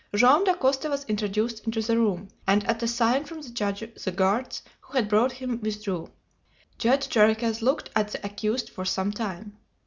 Joam Dacosta was introduced into the room, and at a sign from the judge the guards who had brought him withdrew. Judge Jarriquez looked at the accused for some time.